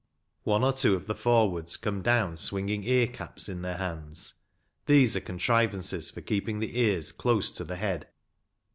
One or two of the forwards come down swinging ear caps in their hands. These are contrivances for keeping the ears close to the head.